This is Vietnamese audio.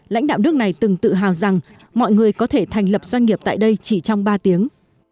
lãnh đạo nước này từng tự hào rằng mọi người có thể thành lập doanh nghiệp tại đây chỉ trong ba tiếng